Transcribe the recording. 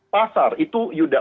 pasar itu yuda